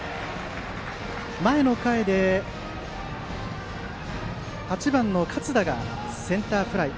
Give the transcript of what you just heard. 前の回で８番の勝田がセンターフライ。